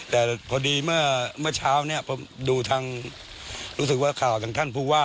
แต่พอดีเมื่อเช้าเนี่ยผมดูทางรู้สึกว่าข่าวทางท่านผู้ว่า